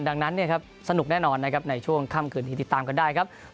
ดังนั้นสนุกแน่นอนนะครับในช่วงค่ำกึ่งติดตามกันได้ครับ